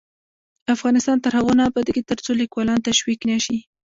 افغانستان تر هغو نه ابادیږي، ترڅو لیکوالان تشویق نشي.